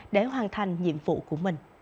để hoàn thành nhiệm vụ